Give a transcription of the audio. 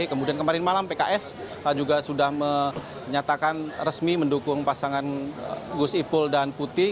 kemudian kemarin malam pks juga sudah menyatakan resmi mendukung pasangan gus ipul dan putih